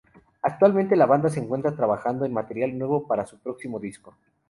Actualmente, la banda se encuentra trabajando en material nuevo para su próximo disco.